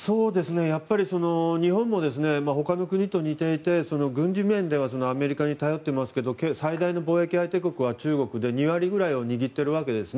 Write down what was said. やっぱり日本も他の国と似ていて軍事面ではアメリカに頼っていますけど最大の貿易相手国は中国で２割ぐらいを握っています。